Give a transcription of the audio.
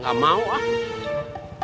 nggak mau ah